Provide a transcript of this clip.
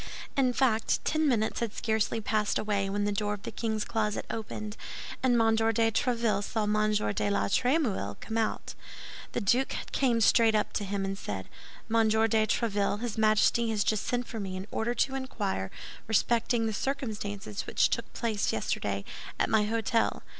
In fact, ten minutes had scarcely passed away when the door of the king's closet opened, and M. de Tréville saw M. de la Trémouille come out. The duke came straight up to him, and said: "Monsieur de Tréville, his Majesty has just sent for me in order to inquire respecting the circumstances which took place yesterday at my hôtel.